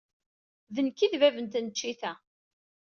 D nekk ay d bab n tneččit-a.